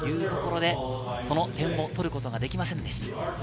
その点を取ることができませんでした。